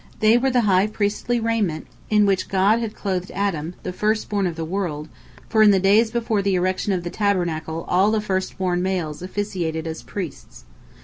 They were the high priestly raiment in which God had clothed Adam, "the first born of the world," for in the days before the erection of the Tabernacle all the first born males officiated as priests.